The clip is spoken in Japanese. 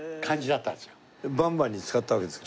『バン！バン！』に使ったわけですか？